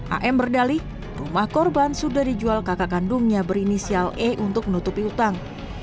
am berdali rumah korban sudah dijual kakak kandungnya berinisial e untuk menutupi utang